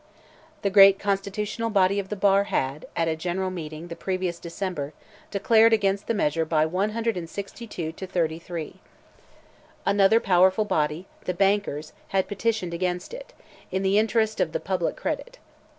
The great constitutional body of the bar had, at a general meeting, the previous December, declared against the measure by 162 to 33. Another powerful body, the bankers, had petitioned against it, in the interest of the public credit.